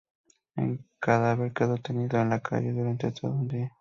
El cadáver quedó tendido en la calle durante todo un día.